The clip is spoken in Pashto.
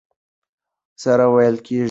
سره وېل کېږي.